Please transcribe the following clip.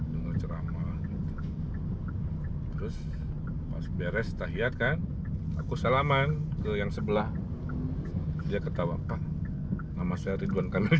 terus beres tahiyyat kan aku salaman ke yang sebelah dia ketawa apa nama saya ridwan kamil